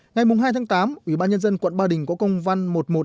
ngày hai tháng tám ủy ban nhân dân quận ba đình có công văn một nghìn một trăm hai mươi ba